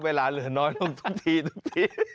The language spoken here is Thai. เวลาเหลือน้อยลงทุกทีทุกที